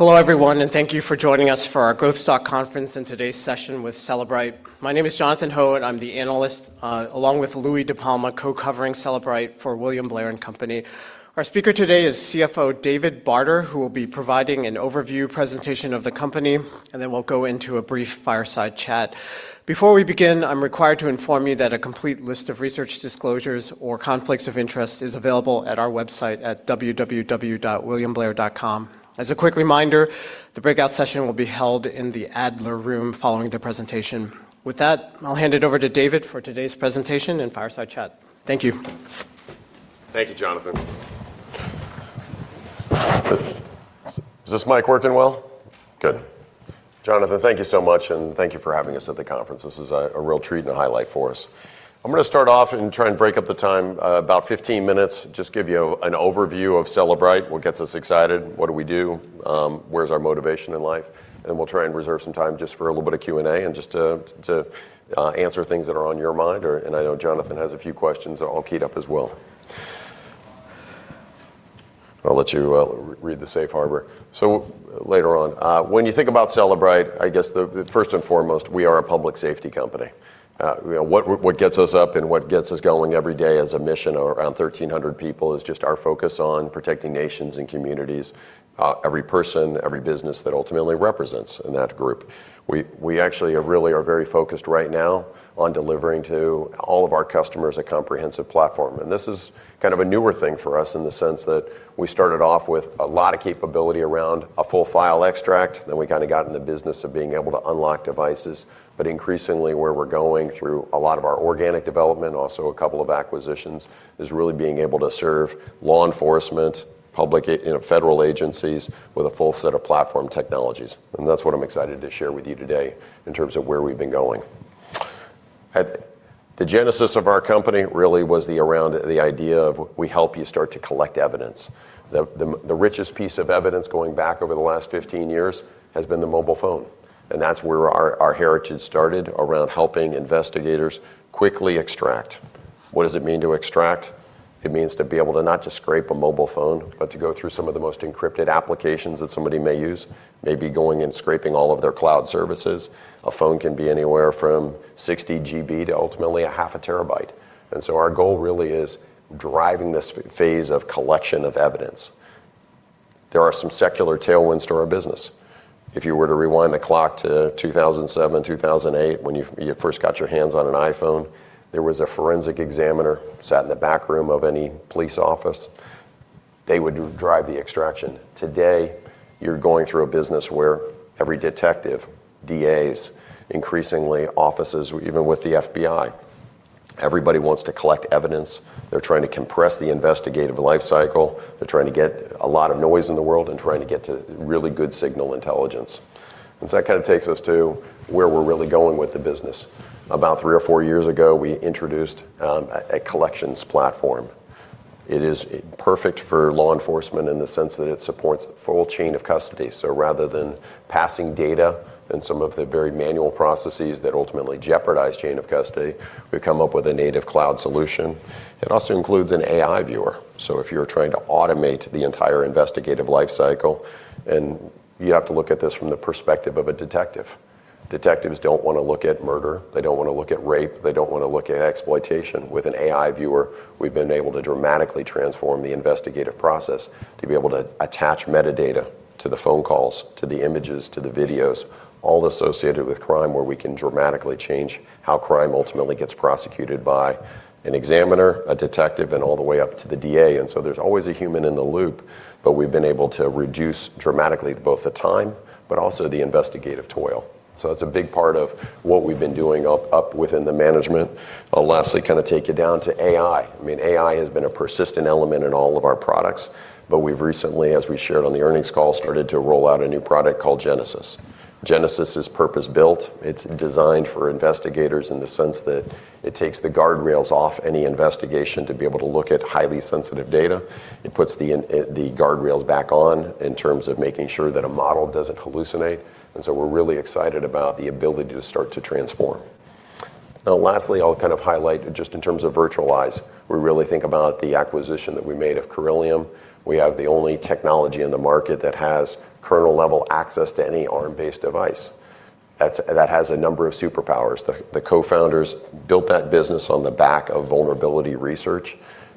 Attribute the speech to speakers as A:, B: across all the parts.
A: Hello, everyone, and thank you for joining us for our growth stock conference and today's session with Cellebrite. My name is Jonathan Ho, and I'm the analyst, along with Louie DiPalma, co-covering Cellebrite for William Blair & Company. Our speaker today is CFO David Barter, who will be providing an overview presentation of the company, and then we'll go into a brief fireside chat. Before we begin, I'm required to inform you that a complete list of research disclosures or conflicts of interest is available at our website at www.williamblair.com. As a quick reminder, the breakout session will be held in the Adler Room following the presentation. With that, I'll hand it over to David for today's presentation and fireside chat. Thank you.
B: Thank you, Jonathan. Is this mic working well? Good. Jonathan, thank you so much. Thank you for having us at the conference. This is a real treat and a highlight for us. I'm going to start off and try and break up the time, about 15 minutes, just give you an overview of Cellebrite, what gets us excited, what do we do, where's our motivation in life. Then we'll try and reserve some time just for a little bit of Q&A and just to answer things that are on your mind. I know Jonathan has a few questions all keyed up as well. I'll let you read the safe harbor later on. When you think about Cellebrite, I guess, first and foremost, we are a public safety company. What gets us up and what gets us going every day as a mission of around 1,300 people is just our focus on protecting nations and communities, every person, every business that ultimately represents in that group. We actually are really focused right now on delivering to all of our customers a comprehensive platform. This is kind of a newer thing for us in the sense that we started off with a lot of capability around a full file extract, then we kind of got in the business of being able to unlock devices. Increasingly, where we're going through a lot of our organic development, also a couple of acquisitions, is really being able to serve law enforcement, public and federal agencies with a full set of platform technologies. That's what I'm excited to share with you today in terms of where we've been going. The Genesis of our company really was around the idea of we help you start to collect evidence. The richest piece of evidence going back over the last 15 years has been the mobile phone, and that's where our heritage started, around helping investigators quickly extract. What does it mean to extract? It means to be able to not just scrape a mobile phone, but to go through some of the most encrypted applications that somebody may use, maybe going and scraping all of their cloud services. A phone can be anywhere from 60 GB to ultimately a 0.5 TB. Our goal really is driving this phase of collection of evidence. There are some secular tailwinds to our business. If you were to rewind the clock to 2007, 2008, when you first got your hands on an iPhone, there was a forensic examiner sat in the back room of any police office. They would drive the extraction. Today, you're going through a business where every detective, DAs, increasingly offices, even with the FBI, everybody wants to collect evidence. They're trying to compress the investigative life cycle. They're trying to get a lot of noise in the world and trying to get to really good signal intelligence. That kind of takes us to where we're really going with the business. About three or four years ago, we introduced a collections platform. It is perfect for law enforcement in the sense that it supports full chain of custody. Rather than passing data and some of the very manual processes that ultimately jeopardize chain of custody, we've come up with a native cloud solution. It also includes an AI viewer. If you're trying to automate the entire investigative life cycle, and you have to look at this from the perspective of a detective. Detectives don't want to look at murder. They don't want to look at rape. They don't want to look at exploitation. With an AI viewer, we've been able to dramatically transform the investigative process to be able to attach metadata to the phone calls, to the images, to the videos, all associated with crime, where we can dramatically change how crime ultimately gets prosecuted by an examiner, a detective, and all the way up to the DA. There's always a human in the loop, but we've been able to reduce dramatically both the time but also the investigative toil. That's a big part of what we've been doing up within the management. I'll lastly take you down to AI. AI has been a persistent element in all of our products. We've recently, as we shared on the earnings call, started to roll out a new product called Genesis. Genesis is purpose-built. It's designed for investigators in the sense that it takes the guardrails off any investigation to be able to look at highly sensitive data. It puts the guardrails back on in terms of making sure that a model doesn't hallucinate. We're really excited about the ability to start to transform. Now, lastly, I'll highlight just in terms of virtualize. We really think about the acquisition that we made of Corellium. We have the only technology in the market that has kernel-level access to any ARM-based device. That has a number of superpowers. The co-founders built that business on the back of vulnerability research.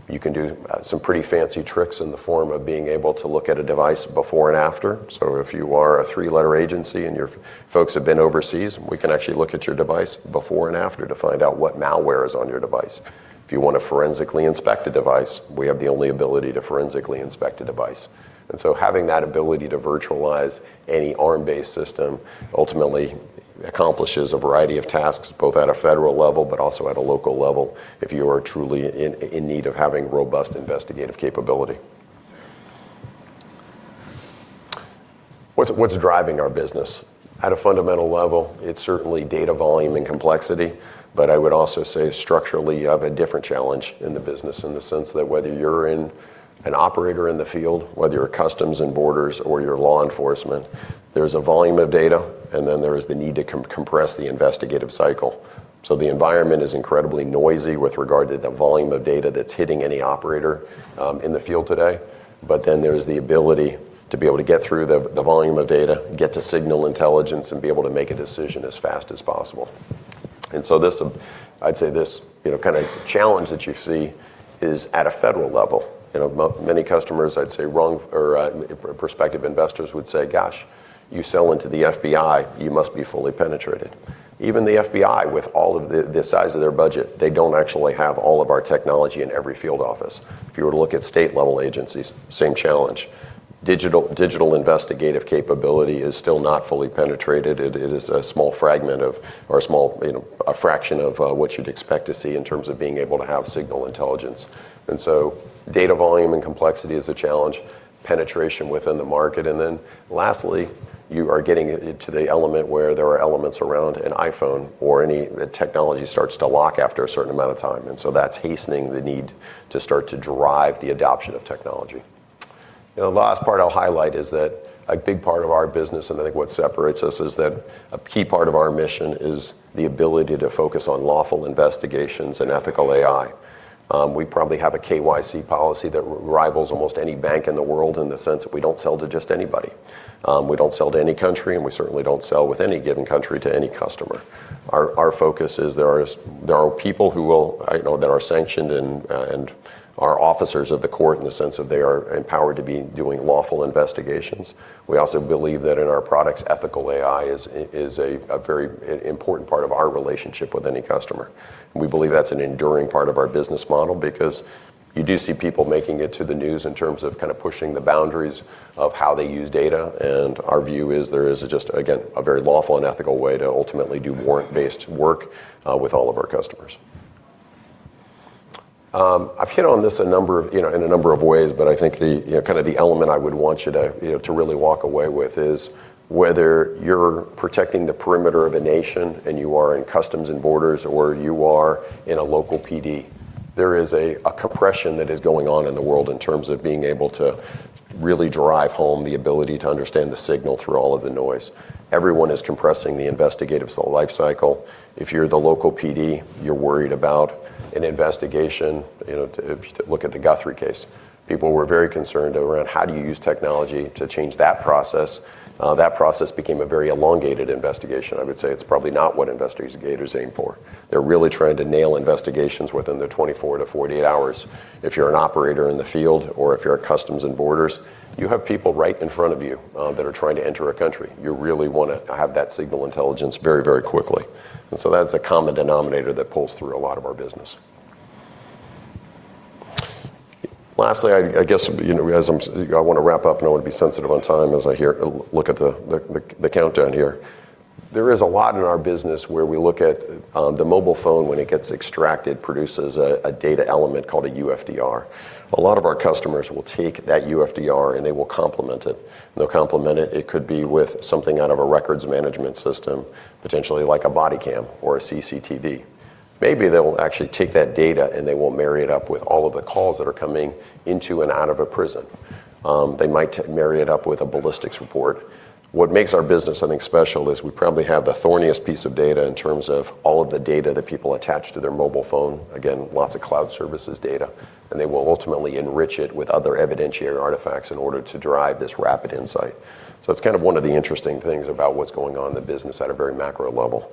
B: You can do some pretty fancy tricks in the form of being able to look at a device before and after. If you are a three-letter agency and your folks have been overseas, we can actually look at your device before and after to find out what malware is on your device. If you want to forensically inspect a device, we have the only ability to forensically inspect a device. Having that ability to virtualize any ARM-based system ultimately accomplishes a variety of tasks, both at a federal level but also at a local level, if you are truly in need of having robust investigative capability. What's driving our business? At a fundamental level, it's certainly data volume and complexity. I would also say structurally, you have a different challenge in the business in the sense that whether you're an operator in the field, whether you're customs and borders or you're law enforcement. There's a volume of data, there is the need to compress the investigative cycle. The environment is incredibly noisy with regard to the volume of data that's hitting any operator in the field today. There's the ability to be able to get through the volume of data, get to signal intelligence, and be able to make a decision as fast as possible. I'd say this kind of challenge that you see is at a federal level. Many customers, I'd say, or prospective investors would say, "Gosh, you sell into the FBI, you must be fully penetrated." Even the FBI, with the size of their budget, they don't actually have all of our technology in every field office. If you were to look at state-level agencies, same challenge. Digital investigative capability is still not fully penetrated. It is a small fragment of, or a fraction of what you'd expect to see in terms of being able to have signal intelligence. Data volume and complexity is a challenge, penetration within the market, and then lastly, you are getting into the element where there are elements around an iPhone or any technology starts to lock after a certain amount of time. That's hastening the need to start to drive the adoption of technology. The last part I'll highlight is that a big part of our business, and I think what separates us, is that a key part of our mission is the ability to focus on lawful investigations and ethical AI. We probably have a KYC policy that rivals almost any bank in the world in the sense that we don't sell to just anybody. We don't sell to any country, and we certainly don't sell with any given country to any customer. Our focus is there are people that are sanctioned and are officers of the court in the sense of they are empowered to be doing lawful investigations. We also believe that in our products, ethical AI is a very important part of our relationship with any customer. We believe that's an enduring part of our business model because you do see people making it to the news in terms of pushing the boundaries of how they use data, and our view is there is just, again, a very lawful and ethical way to ultimately do warrant-based work with all of our customers. I've hit on this in a number of ways, but I think the element I would want you to really walk away with is whether you're protecting the perimeter of a nation and you are in customs and borders, or you are in a local PD. There is a compression that is going on in the world in terms of being able to really drive home the ability to understand the signal through all of the noise. Everyone is compressing the investigative life cycle. If you're the local PD, you're worried about an investigation. If you look at the Guthrie case, people were very concerned around how do you use technology to change that process. That process became a very elongated investigation. I would say it's probably not what investigators aim for. They're really trying to nail investigations within the 24-48 hours. If you're an operator in the field or if you're at customs and borders, you have people right in front of you that are trying to enter a country. You really want to have that signal intelligence very quickly. That's a common denominator that pulls through a lot of our business. Lastly, I want to wrap up, and I want to be sensitive on time as I look at the countdown here. There is a lot in our business where we look at the mobile phone, when it gets extracted, produces a data element called a UFDR. A lot of our customers will take that UFDR, and they will complement it. They'll complement it. It could be with something out of a records management system, potentially like a body cam or a CCTV. Maybe they will actually take that data, and they will marry it up with all of the calls that are coming into and out of a prison. They might marry it up with a ballistics report. What makes our business something special is we probably have the thorniest piece of data in terms of all of the data that people attach to their mobile phone. Again, lots of cloud services data, and they will ultimately enrich it with other evidentiary artifacts in order to drive this rapid insight. It's one of the interesting things about what's going on in the business at a very macro level.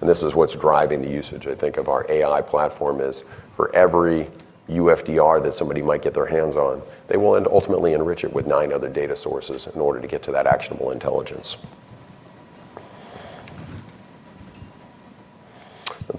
B: This is what's driving the usage, I think, of our AI platform, is for every UFDR that somebody might get their hands on, they will ultimately enrich it with nine other data sources in order to get to that actionable intelligence.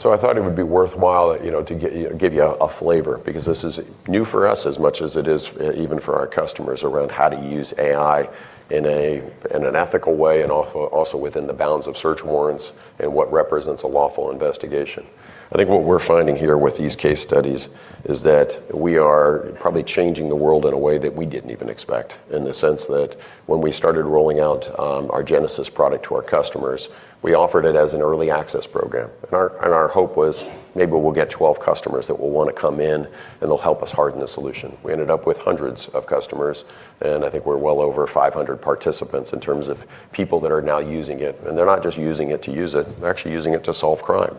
B: I thought it would be worthwhile to give you a flavor, because this is new for us as much as it is even for our customers around how to use AI in an ethical way and also within the bounds of search warrants and what represents a lawful investigation. I think what we're finding here with these case studies is that we are probably changing the world in a way that we didn't even expect, in the sense that when we started rolling out our Genesis to our customers, we offered it as an early access program. Our hope was maybe we'll get 12 customers that will want to come in, and they'll help us harden the solution. We ended up with hundreds of customers, and I think we're well over 500 participants in terms of people that are now using it. They're not just using it to use it. They're actually using it to solve crime.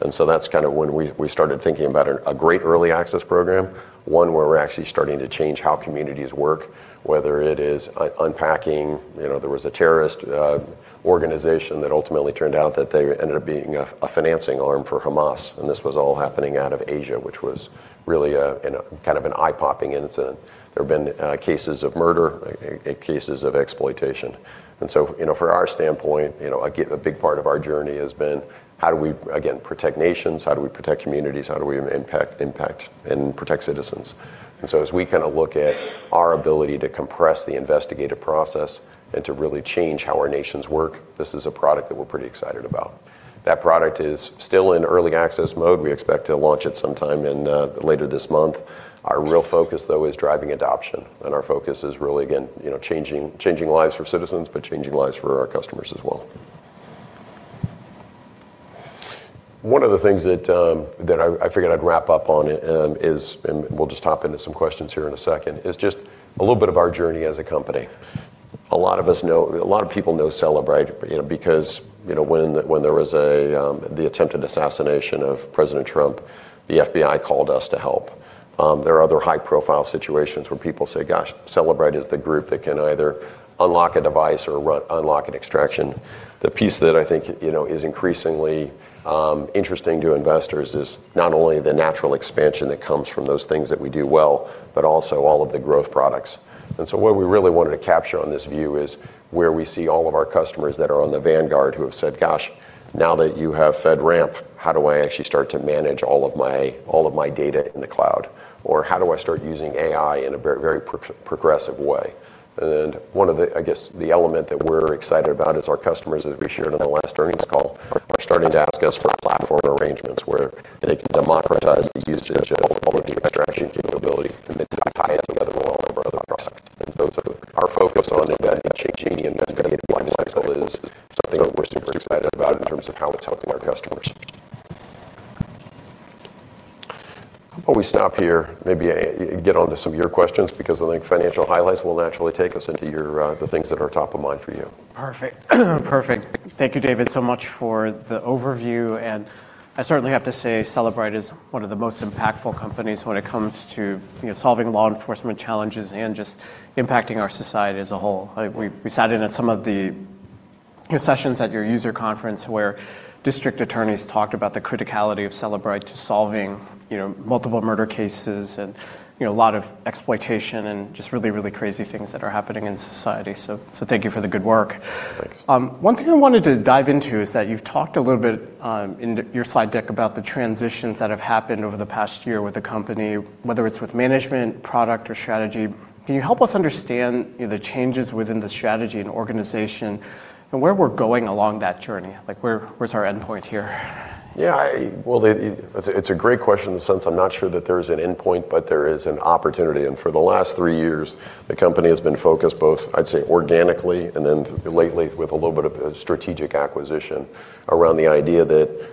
B: That's when we started thinking about a great early access program, one where we're actually starting to change how communities work, whether it is unpacking. There was a terrorist organization that ultimately turned out that they ended up being a financing arm for Hamas, and this was all happening out of Asia, which was really an eye-popping incident. There have been cases of murder, cases of exploitation. For our standpoint, a big part of our journey has been how do we, again, protect nations? How do we protect communities? How do we impact and protect citizens? As we look at our ability to compress the investigative process and to really change how our nations work, this is a product that we're pretty excited about. That product is still in early access mode. We expect to launch it sometime later this month. Our real focus, though, is driving adoption, and our focus is really, again, changing lives for citizens, but changing lives for our customers as well. One of the things that I figured I'd wrap up on is, and we'll just hop into some questions here in a second, is just a little bit of our journey as a company. A lot of people know Cellebrite, because when there was the attempted assassination of President Trump, the FBI called us to help. There are other high-profile situations where people say, "Gosh, Cellebrite is the group that can either unlock a device or unlock an extraction." The piece that I think is increasingly interesting to investors is not only the natural expansion that comes from those things that we do well, but also all of the growth products. What we really wanted to capture on this view is where we see all of our customers that are on the vanguard who have said, "Gosh, now that you have FedRAMP, how do I actually start to manage all of my data in the cloud?" "How do I start using AI in a very progressive way?" One of, I guess, the element that we're excited about is our customers, as we shared on the last earnings call, are starting to ask us for platform arrangements where they can democratize the usage of all the extraction capability, and then tie it together with all of our other products. Our focus on changing the investigative lifecycle is something that we're super excited about in terms of how it's helping our customers. Why don't we stop here, maybe get onto some of your questions, because I think financial highlights will naturally take us into the things that are top of mind for you.
A: Perfect. Perfect. Thank you, David, so much for the overview. I certainly have to say, Cellebrite is one of the most impactful companies when it comes to solving law enforcement challenges and just impacting our society as a whole. We sat in at some of the sessions at your user conference where District Attorneys talked about the criticality of Cellebrite to solving multiple murder cases, and a lot of exploitation and just really crazy things that are happening in society. Thank you for the good work.
B: Thanks.
A: One thing I wanted to dive into is that you've talked a little bit in your slide deck about the transitions that have happened over the past year with the company, whether it's with management, product, or strategy. Can you help us understand the changes within the strategy and organization, and where we're going along that journey? Where's our endpoint here?
B: Well, it's a great question in the sense I'm not sure that there's an endpoint, but there is an opportunity. For the last three years, the company has been focused both, I'd say, organically, and then lately with a little bit of strategic acquisition around the idea that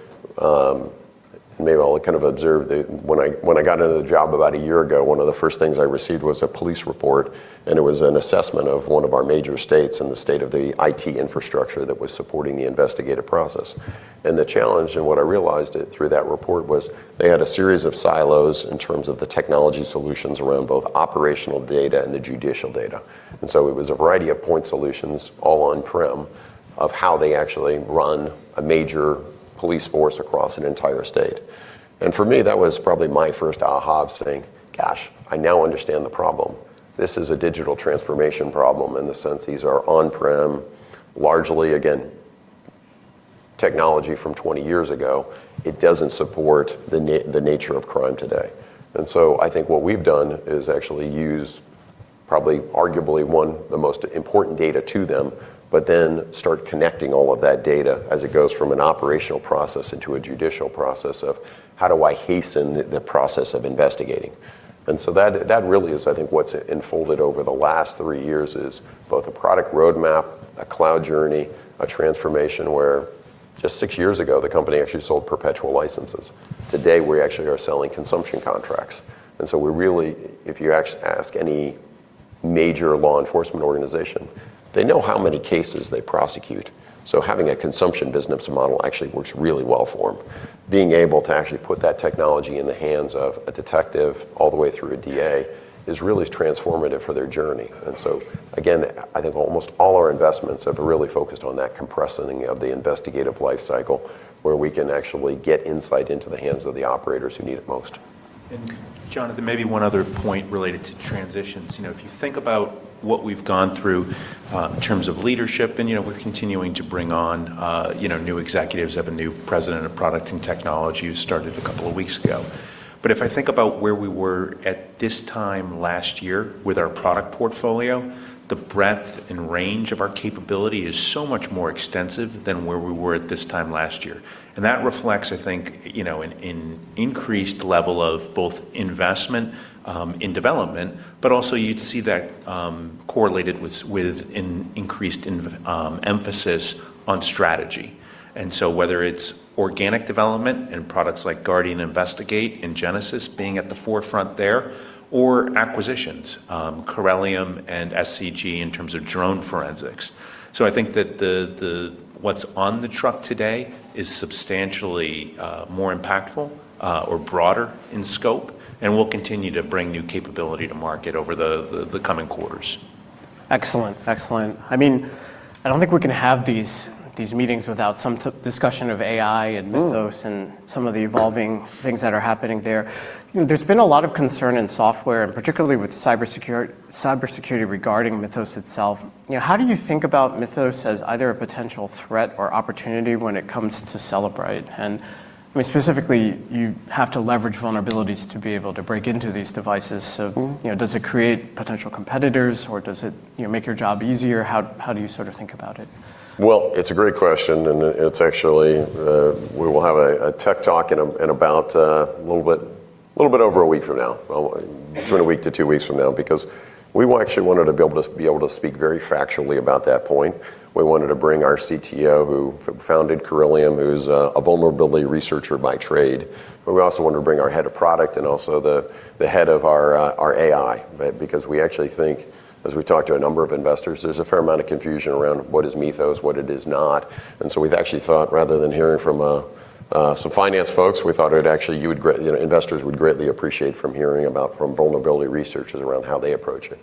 B: maybe I'll kind of observe that when I got into the job about a year ago, one of the first things I received was a police report. It was an assessment of one of our major states and the state of the IT infrastructure that was supporting the investigative process. The challenge, and what I realized through that report was they had a series of silos in terms of the technology solutions around both operational data and the judicial data. It was a variety of point solutions all on-prem, of how they actually run a major police force across an entire state. For me, that was probably my first aha of saying, "Gosh, I now understand the problem." This is a digital transformation problem in the sense these are on-prem, largely, again, technology from 20 years ago. It doesn't support the nature of crime today. I think what we've done is actually use, probably arguably one the most important data to them, but then start connecting all of that data as it goes from an operational process into a judicial process of, how do I hasten the process of investigating? That really is, I think, what's unfolded over the last three years is both a product roadmap, a cloud journey, a transformation where just six years ago, the company actually sold perpetual licenses. Today, we actually are selling consumption contracts. We really, if you ask any major law enforcement organization, they know how many cases they prosecute. Having a consumption business model actually works really well for them. Being able to actually put that technology in the hands of a detective all the way through a DA is really transformative for their journey. Again, I think almost all our investments have really focused on that compressing of the investigative lifecycle, where we can actually get insight into the hands of the operators who need it most.
C: Jonathan, maybe one other point related to transitions. If you think about what we've gone through in terms of leadership, and we're continuing to bring on new executives. Have a new president of product and technology who started a couple of weeks ago. If I think about where we were at this time last year with our product portfolio, the breadth and range of our capability is so much more extensive than where we were at this time last year. That reflects, I think, an increased level of both investment in development, but also you'd see that correlated with an increased emphasis on strategy. Whether it's organic development in products like Guardian Investigate and Genesis being at the forefront there, or acquisitions, Corellium and SCG in terms of drone forensics. I think that what's on the truck today is substantially more impactful, or broader in scope, and we'll continue to bring new capability to market over the coming quarters.
A: Excellent. I don't think we can have these meetings without some discussion of AI. There were some of the evolving things that are happening there. There's been a lot of concern in software, and particularly with cybersecurity regarding Mythos itself. How do you think about Mythos as either a potential threat or opportunity when it comes to Cellebrite? Specifically, you have to leverage vulnerabilities to be able to break into these devices. Does it create potential competitors, or does it make your job easier? How do you think about it?
B: Well, it's a great question. It's actually, we will have a tech talk in about a little bit over a week from now. A little bit over a week from now, we actually wanted to be able to speak very factually about that point. We wanted to bring our CTO, who founded Corellium, who's a vulnerability researcher by trade, we also wanted to bring our head of product and also the head of our AI. We actually think, as we've talked to a number of investors, there's a fair amount of confusion around what is Mythos, what it is not. We've actually thought, rather than hearing from some finance folks, we thought investors would greatly appreciate hearing about from vulnerability researchers around how they approach it.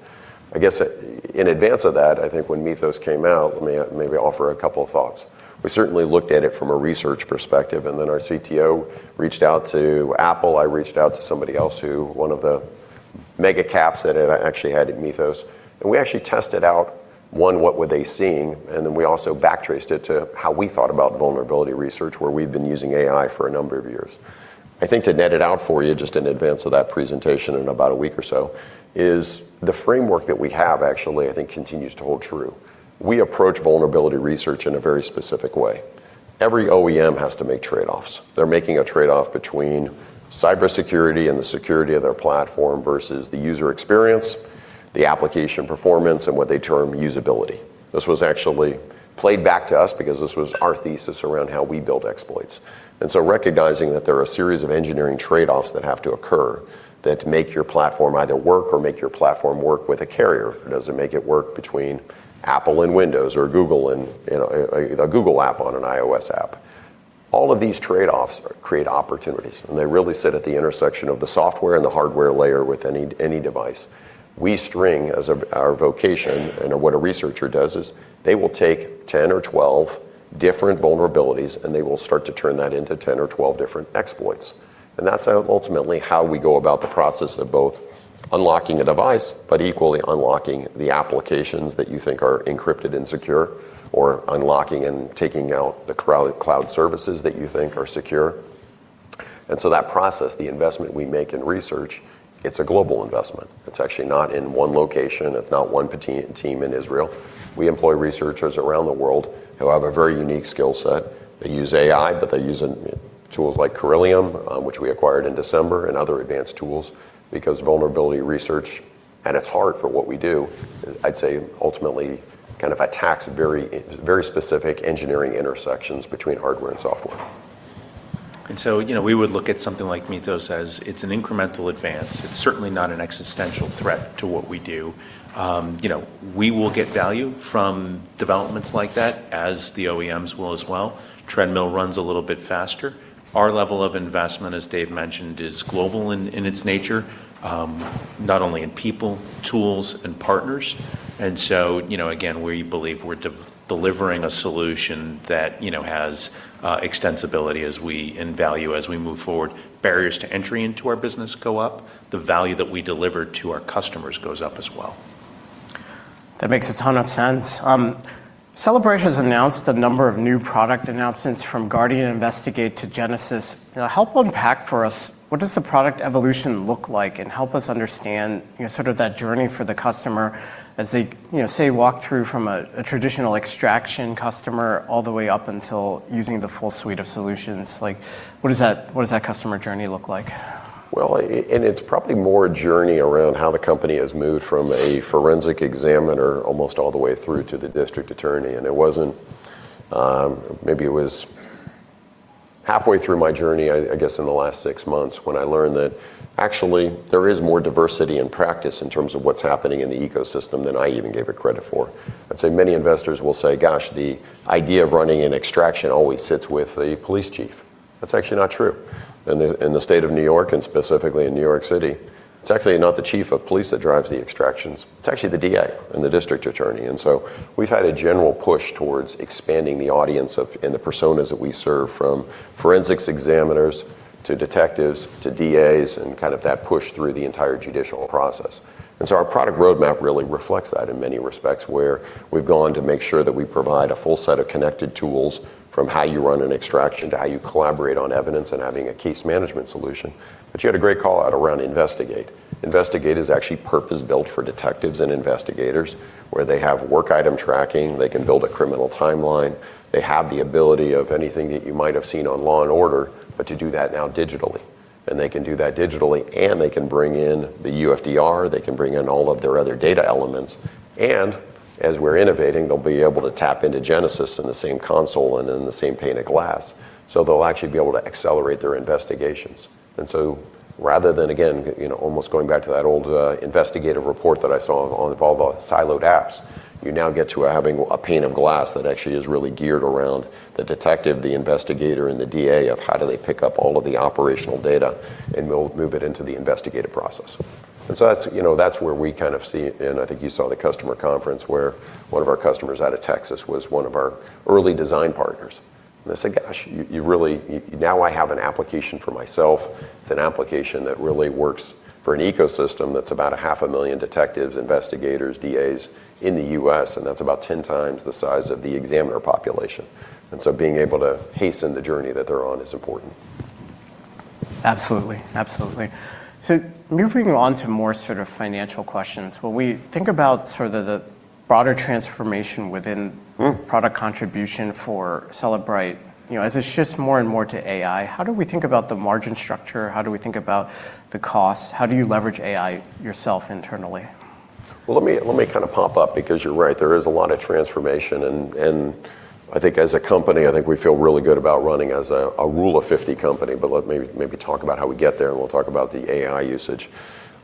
B: I guess, in advance of that, I think when Mythos came out, let me maybe offer a couple of thoughts. We certainly looked at it from a research perspective, and then our CTO reached out to Apple, I reached out to somebody else, who one of the mega caps that had actually had Mythos. We actually tested out, one, what were they seeing, and then we also back traced it to how we thought about vulnerability research, where we've been using AI for a number of years. I think to net it out for you, just in advance of that presentation in about a week or so, is the framework that we have actually, I think continues to hold true. We approach vulnerability research in a very specific way. Every OEM has to make trade-offs. They're making a trade-off between cybersecurity and the security of their platform versus the user experience, the application performance, and what they term usability. This was actually played back to us because this was our thesis around how we build exploits. Recognizing that there are a series of engineering trade-offs that have to occur that make your platform either work or make your platform work with a carrier. Does it make it work between Apple and Windows or a Google app on an iOS app? All of these trade-offs create opportunities, and they really sit at the intersection of the software and the hardware layer with any device. We string, as our vocation, and what a researcher does is they will take 10 or 12 different vulnerabilities, and they will start to turn that into 10 or 12 different exploits. That's ultimately how we go about the process of both unlocking a device, but equally unlocking the applications that you think are encrypted and secure, or unlocking and taking out the cloud services that you think are secure. That process, the investment we make in research, it's a global investment. It's actually not in one location. It's not one team in Israel. We employ researchers around the world who have a very unique skill set. They use AI, but they're using tools like Corellium, which we acquired in December, and other advanced tools. Vulnerability research, and it's hard for what we do, I'd say ultimately kind of attacks very specific engineering intersections between hardware and software.
C: We would look at something like Mythos as it's an incremental advance. It's certainly not an existential threat to what we do. We will get value from developments like that, as the OEMs will as well. Treadmill runs a little bit faster. Our level of investment, as Dave mentioned, is global in its nature, not only in people, tools, and partners. Again, we believe we're delivering a solution that has extensibility and value as we move forward. Barriers to entry into our business go up. The value that we deliver to our customers goes up as well.
A: That makes a ton of sense. Cellebrite has announced a number of new product announcements from Guardian Investigate to Genesis. Help unpack for us what does the product evolution look like, and help us understand sort of that journey for the customer as they, say, walk through from a traditional extraction customer all the way up until using the full suite of solutions? What does that customer journey look like?
B: Well, it's probably more a journey around how the company has moved from a forensic examiner almost all the way through to the District Attorney. Maybe it was halfway through my journey, I guess, in the last six months when I learned that actually, there is more diversity in practice in terms of what's happening in the ecosystem than I even gave it credit for. I'd say many investors will say, "Gosh, the idea of running an extraction always sits with the police chief." That's actually not true. In the state of New York and specifically in New York City, it's actually not the chief of police that drives the extractions. It's actually the DA and the District Attorney. We've had a general push towards expanding the audience of, and the personas that we serve, from forensics examiners to detectives to DAs, and kind of that push through the entire judicial process. Our product roadmap really reflects that in many respects, where we've gone to make sure that we provide a full set of connected tools from how you run an extraction to how you collaborate on evidence and having a case management solution. You had a great call out around Investigate. Investigate is actually purpose-built for detectives and investigators, where they have work item tracking. They can build a criminal timeline. They have the ability of anything that you might have seen on "Law & Order," but to do that now digitally. They can do that digitally, and they can bring in the UFDR, they can bring in all of their other data elements, and as we're innovating, they'll be able to tap into Genesis in the same console and in the same pane of glass. They'll actually be able to accelerate their investigations. Rather than, again, almost going back to that old investigative report that I saw of all the siloed apps, you now get to having a pane of glass that actually is really geared around the detective, the investigator, and the DA of how do they pick up all of the operational data and move it into the investigative process. That's where we kind of see, and I think you saw the customer conference where one of our customers out of Texas was one of our early design partners. They said, "Gosh, now I have an application for myself." It's an application that really works for an ecosystem that's about a half a million detectives, investigators, DAs in the U.S., and that's about 10 times the size of the examiner population. Being able to hasten the journey that they're on is important.
A: Absolutely. Moving on to more sort of financial questions. When we think about sort of the broader transformation within product contribution for Cellebrite. As it shifts more and more to AI, how do we think about the margin structure? How do we think about the costs? How do you leverage AI yourself internally?
B: Well, let me kind of pop up, because you're right. There is a lot of transformation, and I think as a company, I think we feel really good about running as a rule of 50 company, but let maybe talk about how we get there, and we'll talk about the AI usage.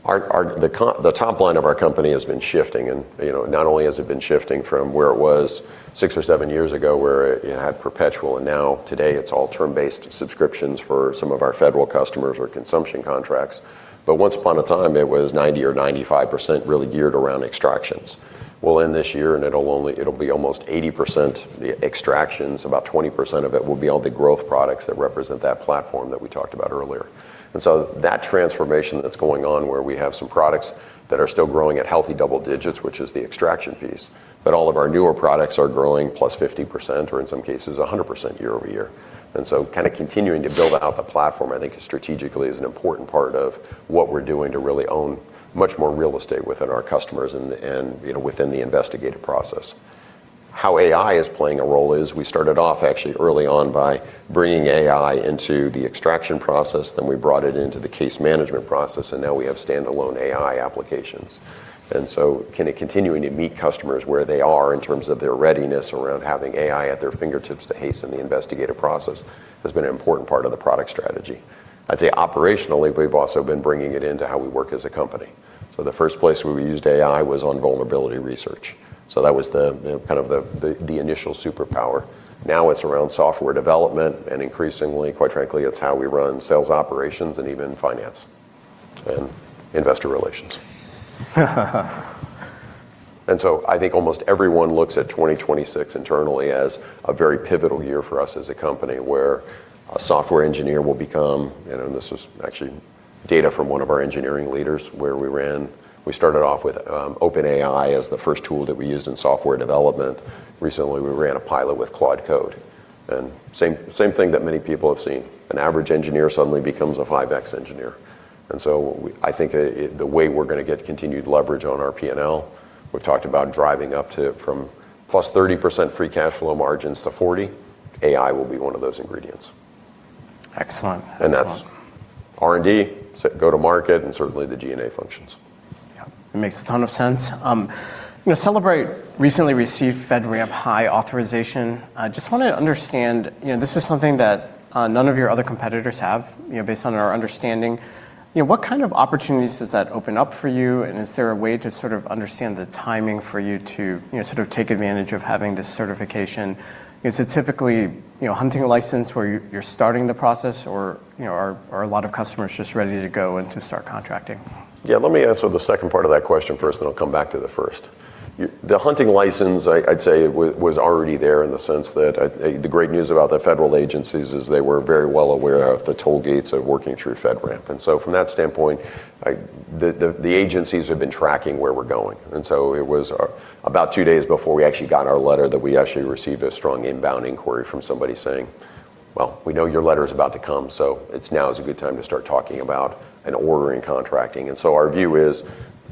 B: The top line of our company has been shifting, and not only has it been shifting from where it was six or seven years ago where it had perpetual, and now today it's all term-based subscriptions for some of our federal customers or consumption contracts, but once upon a time it was 90% or 95% really geared around extractions. We'll end this year, and it'll be almost 80% extractions. About 20% of it will be all the growth products that represent that platform that we talked about earlier. That transformation that's going on where we have some products that are still growing at healthy double digits, which is the extraction piece, but all of our newer products are growing plus 50%, or in some cases, 100% year-over-year. Kind of continuing to build out the platform I think strategically is an important part of what we're doing to really own much more real estate within our customers and within the investigative process. How AI is playing a role is we started off actually early on by bringing AI into the extraction process, then we brought it into the case management process, and now we have standalone AI applications. Continuing to meet customers where they are in terms of their readiness around having AI at their fingertips to hasten the investigative process has been an important part of the product strategy. I'd say operationally, we've also been bringing it into how we work as a company. The first place where we used AI was on vulnerability research. That was the kind of the initial superpower. Now it's around software development and increasingly, quite frankly, it's how we run sales operations and even finance and investor relations. I think almost everyone looks at 2026 internally as a very pivotal year for us as a company where a software engineer will become. This was actually data from one of our engineering leaders where we ran. We started off with OpenAI as the first tool that we used in software development. Recently, we ran a pilot with Claude Code. Same thing that many people have seen. An average engineer suddenly becomes a 5x engineer. I think the way we're going to get continued leverage on our P&L, we've talked about driving up to from plus 30% free cash flow margins to 40%. AI will be one of those ingredients.
A: Excellent.
B: That's R&D, go to market, and certainly the G&A functions.
A: Yeah. It makes a ton of sense. Cellebrite recently received FedRAMP High Authorization. Just want to understand, this is something that none of your other competitors have, based on our understanding. What kind of opportunities does that open up for you? Is there a way to sort of understand the timing for you to take advantage of having this certification? Is it typically hunting license where you're starting the process, or are a lot of customers just ready to go and to start contracting?
B: Let me answer the second part of that question first, then I'll come back to the first. The hunting license, I'd say, was already there in the sense that the great news about the federal agencies is they were very well aware of the toll gates of working through FedRAMP. From that standpoint, the agencies have been tracking where we're going. It was about two days before we actually got our letter that we actually received a strong inbound inquiry from somebody saying, "Well, we know your letter's about to come, so now is a good time to start talking about and ordering contracting." Our view is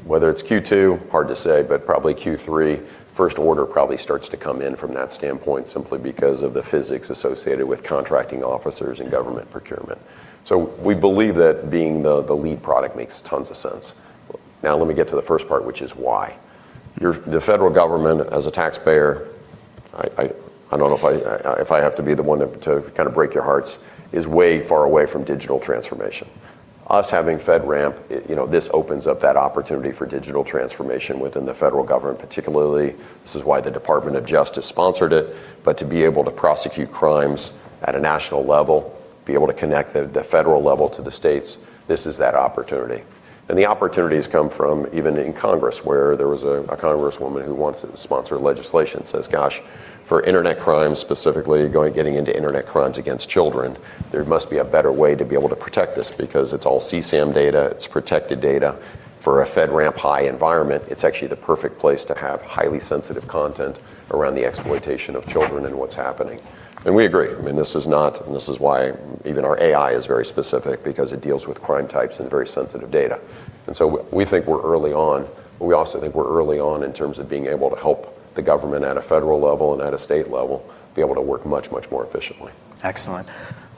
B: whether it's Q2, hard to say, but probably Q3, first order probably starts to come in from that standpoint simply because of the physics associated with contracting officers and government procurement. We believe that being the lead product makes tons of sense. Let me get to the first part, which is why. The federal government, as a taxpayer, I don't know if I have to be the one to kind of break your hearts, is way far away from digital transformation. Us having FedRAMP, this opens up that opportunity for digital transformation within the federal government particularly. This is why the Department of Justice sponsored it. To be able to prosecute crimes at a national level, be able to connect the federal level to the states, this is that opportunity. The opportunities come from even in Congress, where there was a congresswoman who wants to sponsor legislation says, "Gosh, for internet crimes specifically, getting into internet crimes against children, there must be a better way to be able to protect this because it's all CSAM data, it's protected data." For a FedRAMP High environment, it's actually the perfect place to have highly sensitive content around the exploitation of children and what's happening." We agree. This is why even our AI is very specific because it deals with crime types and very sensitive data. We think we're early on, but we also think we're early on in terms of being able to help the government at a federal level and at a state level be able to work much, much more efficiently.
A: Excellent.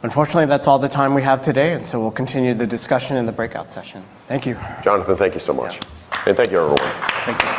A: Unfortunately, that's all the time we have today, and so we'll continue the discussion in the breakout session. Thank you.
B: Jonathan, thank you so much.
A: Yeah.
B: Thank you, everyone.
A: Thank you.